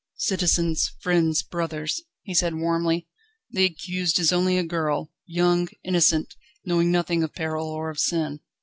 "Citizens, friends, brothers," he said warmly, "the accused is only a girl, young, innocent knowing nothing of peril or of sin.